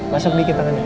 masuk dikit tangannya